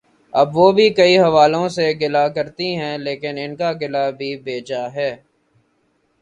اب وہ بھی کئی حوالوں سے گلہ کرتی ہیں لیکن ان کا گلہ بھی بے جا ہے۔